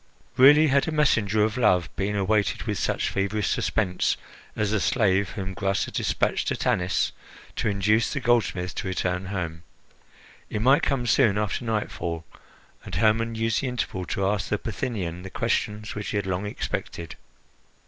Rarely had a messenger of love been awaited with such feverish suspense as the slave whom Gras had despatched to Tanis to induce the goldsmith to return home. He might come soon after nightfall, and Hermon used the interval to ask the Bithynian the questions which he had long expected.